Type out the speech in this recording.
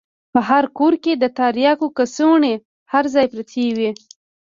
په هر کور کښې د ترياکو کڅوړې هر ځاى پرتې وې.